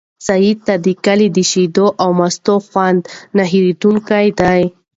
سعید ته د کلي د شیدو او مستو خوند نه هېرېدونکی دی.